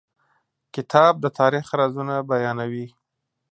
کتاب د تاریخ رازونه بیانوي.